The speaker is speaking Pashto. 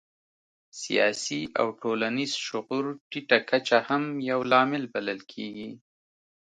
سیاسي او ټولنیز شعور ټیټه کچه هم یو لامل بلل کېږي.